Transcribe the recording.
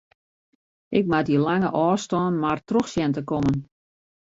Ik moat dy lange ôfstân mar troch sjen te kommen.